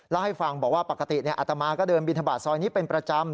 เล่าให้ฟังบอกว่าปกติอัตมาก็เดินบินทบาทซอยนี้เป็นประจำ